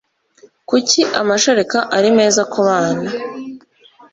kuki amashereka ari meza ku bana